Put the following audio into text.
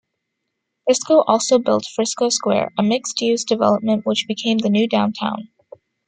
Frisco also built Frisco Square, a mixed-use development which became the new downtown.